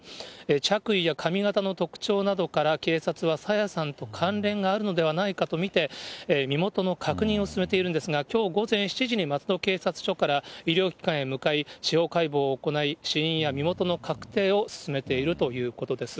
着衣や髪形の特徴などから、警察は、朝芽さんと関連があるのではないかと見て、身元の確認を進めているんですが、きょう午前７時に松戸警察署から医療機関へ向かい、司法解剖を行い、死因や身元の確定を進めているということです。